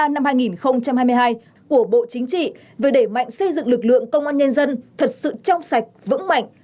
năm hai nghìn hai mươi hai của bộ chính trị về đẩy mạnh xây dựng lực lượng công an nhân dân thật sự trong sạch vững mạnh